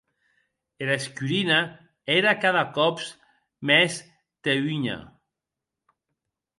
Era escurina ère cada còps mès teunha.